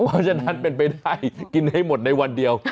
มันเป็นไปได้กินให้หมดในวันเดียว